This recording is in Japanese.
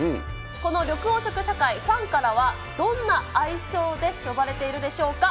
この緑黄色社会、ファンからはどんな愛称で呼ばれているでしょうか。